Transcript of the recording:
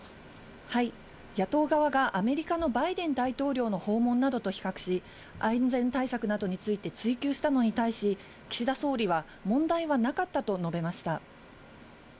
野党側がアメリカのバイデン大統領の訪問などと比較し、安全対策などについて追及したのに対し、岸田総理は問題はなかったと述べました。